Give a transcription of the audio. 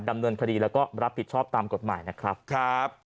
ดำเนินคดีแล้วก็รับผิดชอบตามกฎหมายนะครับครับ